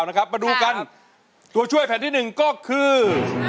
นะครับมาดูกันตัวช่วยแผ่นที่หนึ่งก็คือ